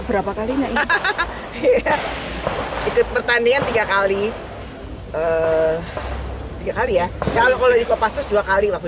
berapa kalinya itu pertandingan tiga kali tiga kali ya kalau kalau juga pasos dua kali waktu